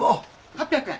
８００円。